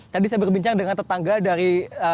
tadi saya berbincang dengan tetangga dari